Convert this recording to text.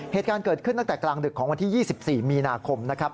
เหตุการณ์เกิดขึ้นตั้งแต่กลางดึกของวันที่๒๔มีนาคมนะครับ